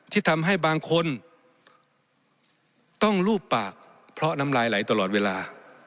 ที่ทำให้บางคนต้องรูปปากเพราะน้ำลายไหลตลอดเวลา